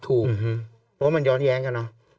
เพราะมันย้อนแย้งกันนะ